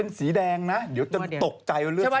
เป็นสีแดงนะเดี๋ยวจะตกใจว่าสีแดงมาก